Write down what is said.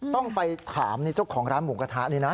ต้องไปถามเจ้าของร้านหมูกระทะนี่นะ